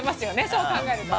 そう考えると。